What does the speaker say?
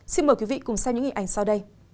xin mời quý vị cùng xem những hình ảnh sau đây